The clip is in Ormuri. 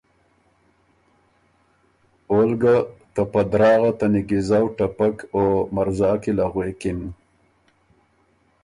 اول ګه ته په دراغه ته نیکیزؤ ټپک او مرزا کی له غوېکِن۔